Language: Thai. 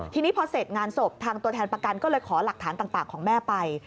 ทีนี้พอเสร็จงานศพทางตัวแทนประกันก็เลยขอหลักฐานต่างของแม่ไป